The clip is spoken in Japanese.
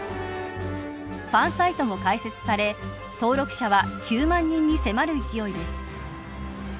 ファンサイトも開設され登録者は９万人に迫る勢いです。